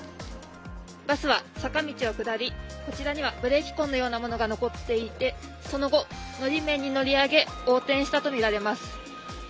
バスは坂道を下り、こちらにはブレーキ痕のようなものが残っていてその後、のり面に乗り上げ、横転したとみられます。